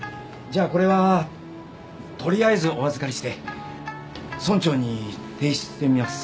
じゃこれはとりあえずお預かりして村長に提出してみます。